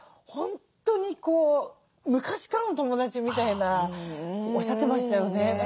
本当にこう昔からの友達みたいなおっしゃってましたよね？